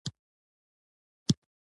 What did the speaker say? کچالو د بدن لپاره خوندور او ګټور دی.